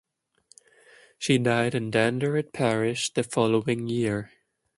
She died in Danderyd parish the following year.